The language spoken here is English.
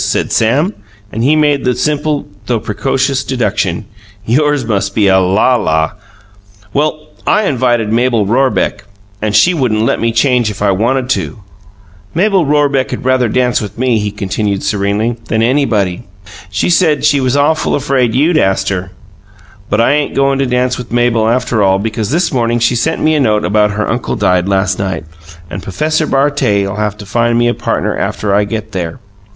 said Sam, and he made the simple though precocious deduction: "Yours must be a lala! Well, I invited Mabel Rorebeck, and she wouldn't let me change if I wanted to. Mabel Rorebeck'd rather dance with me," he continued serenely, "than anybody; and she said she was awful afraid you'd ast her. But I ain't goin' to dance with Mabel after all, because this morning she sent me a note about her uncle died last night and P'fessor Bartet'll have to find me a partner after I get there.